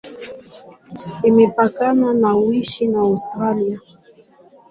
Imepakana na Uswisi na Austria.